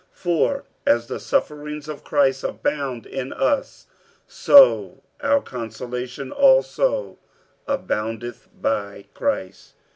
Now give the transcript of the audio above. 47:001:005 For as the sufferings of Christ abound in us, so our consolation also aboundeth by Christ.